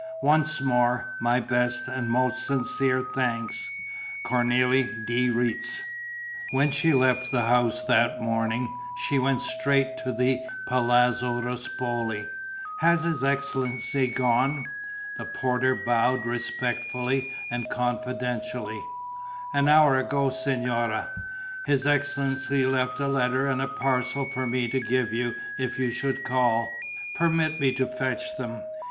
"Once more, my best and most sincere thanks. "Cornélie de Retz." When she left the house that morning, she went straight to the Palazzo Ruspoli: "Has his excellency gone?" The porter bowed respectively and confidentially: "An hour ago, signora. His excellency left a letter and a parcel for me to give you if you should call. Permit me to fetch them."